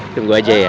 tunggu aja ya